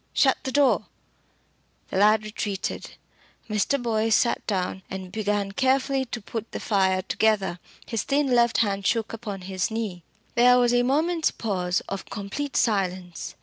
Shut the door." The lad retreated. Mr. Boyce sat down and began carefully to put the fire together. His thin left hand shook upon his knee. There was a moment's pause of complete silence.